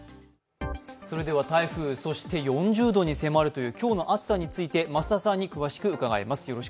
それでは、台風、そして４０度に迫るという今日の暑さについて、増田さんに詳しく伺います。